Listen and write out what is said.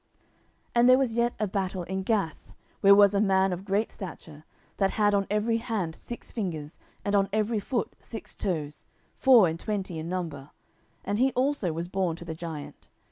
10:021:020 And there was yet a battle in Gath, where was a man of great stature, that had on every hand six fingers, and on every foot six toes, four and twenty in number; and he also was born to the giant.